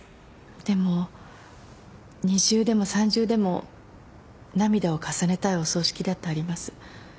でも二重でも三重でも涙を重ねたいお葬式だってあります。